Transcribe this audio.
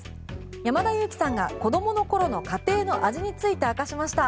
山田裕貴さんが子供の頃の家庭の味について明かしました。